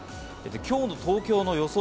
今日の東京の予想